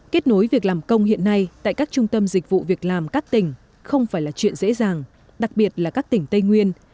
kết nối việc làm công hiện nay tại các trung tâm dịch vụ việc làm các tỉnh không phải là chuyện dễ dàng đặc biệt là các tỉnh tây nguyên